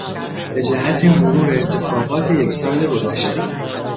به جهت مرور اتفاقات یک سال گذشته